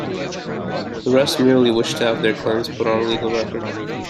The rest merely wished to have their claims put on the legal record.